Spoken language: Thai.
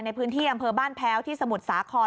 ในพื้นที่อำเภอบ้านแพ้วที่สมุทรสาคร